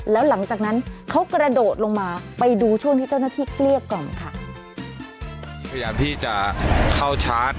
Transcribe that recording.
แล้วหลังจากนั้นเขากระโดดลงมาไปดูช่วงที่เจ้าหน้าที่เกลี้ยกล่อมค่ะ